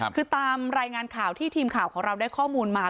คือตามรายงานข่าวที่ทีมข่าวของเราได้ข้อมูลมา